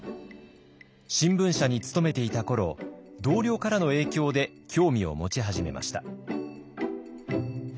新聞社に勤めていた頃同僚からの影響で興味を持ち始めました。